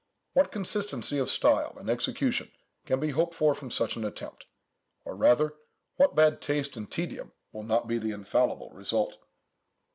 What consistency of style and execution can be hoped for from such an attempt? or, rather, what bad taste and tedium will not be the infallible result?